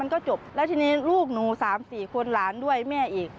ก็จบแล้วทีนี้ลูกหนู๓๔คนหลานด้วยแม่อีก